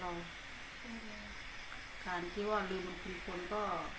ดูทานที่ว่าลืมบลคูณพลก็